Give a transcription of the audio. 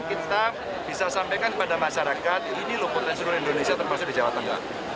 kita bisa sampaikan kepada masyarakat ini loh potensi indonesia termasuk di jawa tengah